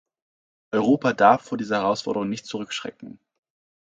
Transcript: Europa darf vor dieser Herausforderung nicht zurückschrecken.